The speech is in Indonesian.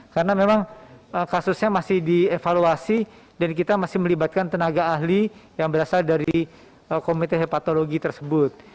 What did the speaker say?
karena memang kasusnya masih dievaluasi dan kita masih melibatkan tenaga ahli yang berasal dari komite hepatologi tersebut